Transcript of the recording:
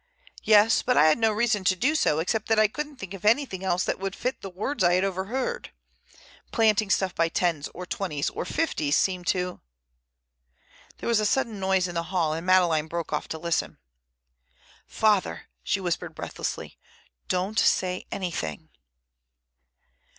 "Yes, but I had no reason to do so except that I couldn't think of anything else that would fit the words I had overheard. Planting stuff by tens or twenties or fifties seemed to—" There was a sudden noise in the hall and Madeleine broke off to listen. "Father," she whispered breathlessly. "Don't say anything."